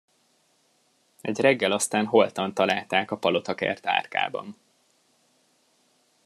Egy reggel aztán holtan találták a palotakert árkában.